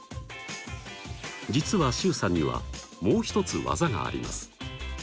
実は周さんにはもう一つ技があります。